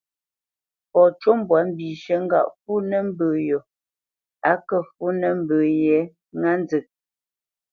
Fɔ cû mbwǎ mbishə̂ ŋgâʼ fúnə̄ mbə yo á kə́ fúnə̄ mbə yě ŋá nzə.